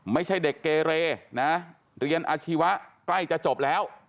ไม่ใช่เด็กเกเรนะเรียนอาชีวะใกล้จะจบแล้ว